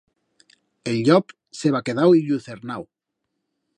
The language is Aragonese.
El llop s'heba quedau illucernau.